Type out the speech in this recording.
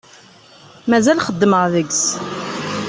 Mazal xeddmeɣ deg-s.